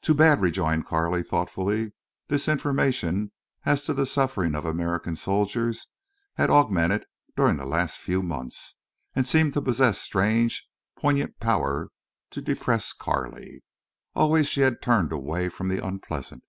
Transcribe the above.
"Too bad," rejoined Carley, thoughtfully. This information as to the suffering of American soldiers had augmented during the last few months, and seemed to possess strange, poignant power to depress Carley. Always she had turned away from the unpleasant.